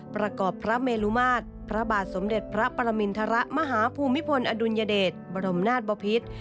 ประกอบพระเมลุมาตรพระบาทสมเด็จพระปรมินทรมาฮภูมิพลอดุลยเดชบรมนาศบพิษ